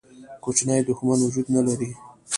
کوچنی دښمن وجود نه لري.